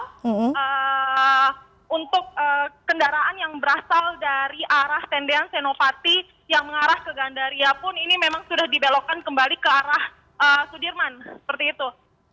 untuk kendaraan yang berasal dari arah tendean senopati yang mengarah ke gandaria pun ini memang sudah dibelokkan kembali ke arah sudirman seperti itu